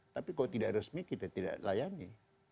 tapi kalau tidak resmi kita tidak layani